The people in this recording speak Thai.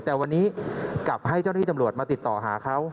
แต่วันนี้กลับให้เจ้าหน้าที่ตำรวจมาติดต่อหาเขา